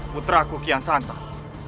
putraku kian santang